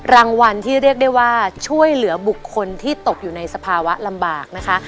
รางวัลที่เรียกได้ว่าช่วยเหลือบุคคลที่ตกอยู่ในสภาวะลำบากนะคะ